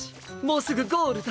もうすぐゴールだ！